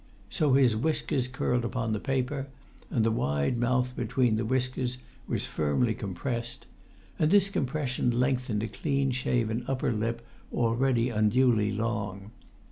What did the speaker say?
So his whiskers curled upon the paper; and the wide mouth between the whiskers was firmly compressed; and this compression lengthened a clean shaven upper lip already unduly long.